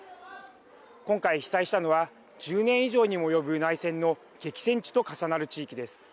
今回被災したのは１０年以上にも及ぶ内戦の激戦地と重なる地域です。